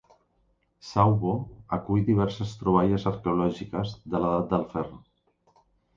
Sauvo acull diverses troballes arqueològiques de l'edat del ferro.